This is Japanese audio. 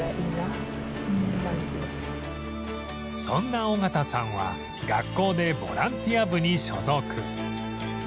そんな尾方さんは学校でボランティア部に所属